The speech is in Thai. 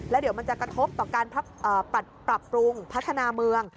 แล้วเดี๋ยวมันจะกระทบต่อการปรับปรุงพัฒนาเมือง